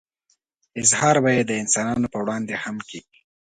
اظهار به يې د انسانانو په وړاندې هم کېږي.